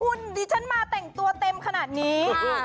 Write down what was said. คุณดิฉันมาแต่งตัวเต็มขนาดนี้